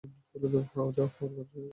যা হওয়ার হয়েছে।